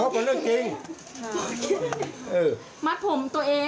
ไม่ว่าปวดหัว